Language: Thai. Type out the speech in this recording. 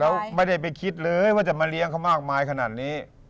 แล้วไม่ได้ไปคิดเลยว่าจะมาเลี้ยงเขามากมายขนาดนี้